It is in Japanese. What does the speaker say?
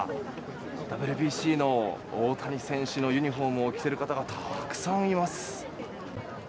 ＷＢＣの大谷選手のユニホームを着ている方がたくさんいます。